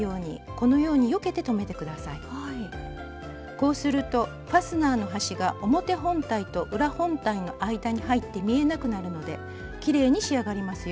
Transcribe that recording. こうするとファスナーの端が表本体と裏本体の間に入って見えなくなるのできれいに仕上がりますよ。